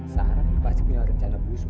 sarang itu pasti punya rencana busuk